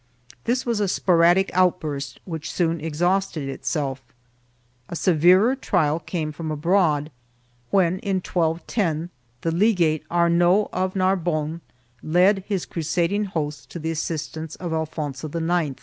2 This was a spo radic outburst which soon exhausted itself. A severer trial came from abroad, when, in 1210, the Legate Arnaud of Narbonne led his crusading hosts to the assistance of Alfonso IX.